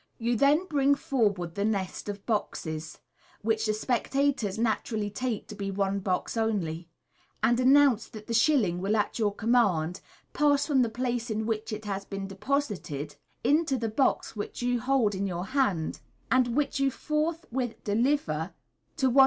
You then bring for ward the nest of boxes (which the spectators naturally take to be cae box only), and announce that the shilling will at your command pass from the place in which it has been deposited into the box which you hold in your hand, and which you forthwith deliver to out 198 MODERN MA GIC.